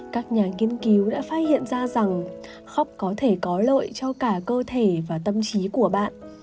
các nhà nghiên cứu đã phát hiện ra rằng khóc có thể có lợi cho cả cơ thể và tâm trí của bạn